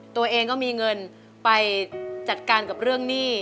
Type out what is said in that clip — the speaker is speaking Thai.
ตัวเองก็มีเงินไปจัดการกับเรื่องหนี้